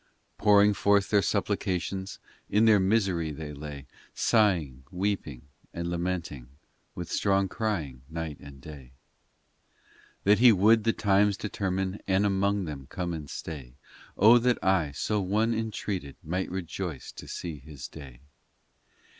Ill Pouring forth their supplications In their misery they lay, Sighing, weeping, and lamenting, With strong crying night and day, IV That He would the times determine, And among them come and stay ; O that I, so one entreated, Might rejoice to see His day